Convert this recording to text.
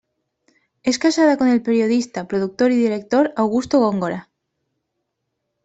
Es casada con el periodista, productor y director Augusto Góngora.